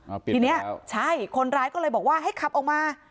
เอาปิดทีเนี้ยใช่คนร้ายก็เลยบอกว่าให้ขับออกมา